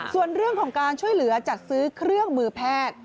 ส่วนเรื่องของการช่วยเหลือจัดซื้อเครื่องมือแพทย์